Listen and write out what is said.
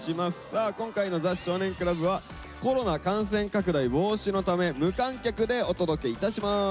さあ今回の「ザ少年倶楽部」はコロナ感染拡大防止のため無観客でお届けいたします。